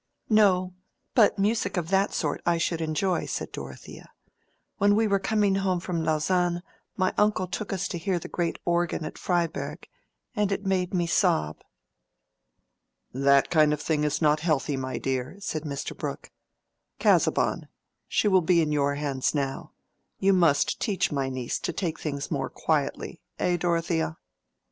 "No; but music of that sort I should enjoy," said Dorothea. "When we were coming home from Lausanne my uncle took us to hear the great organ at Freiberg, and it made me sob." "That kind of thing is not healthy, my dear," said Mr. Brooke. "Casaubon, she will be in your hands now: you must teach my niece to take things more quietly, eh, Dorothea?"